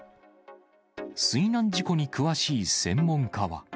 水難事故に詳しい専門家は。